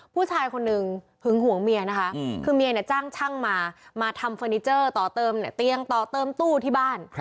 ผู้ชายคนหนึ่งหึงหวงเมียนะคะคือเมียเนี่ยจ้างช่างมามาทำเฟอร์นิเจอร์ต่อเติมเนี่ยเตียงต่อเติมตู้ที่บ้าน